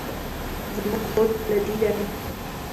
زموږ هوډ فولادي دی.